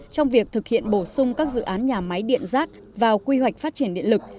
trong việc thực hiện bổ sung các dự án nhà máy điện rác vào quy hoạch phát triển điện lực